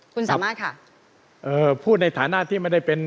คุณสามารถค่ะเอ่อพูดในฐานะที่ไม่ได้เป็น